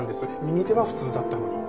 右手は普通だったのに。